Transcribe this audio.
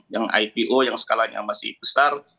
yang ipo yang skalanya masih besar